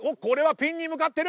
ピンに向かっている！